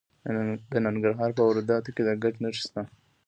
د ننګرهار په روداتو کې د ګچ نښې شته.